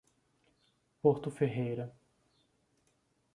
Porto Ferreira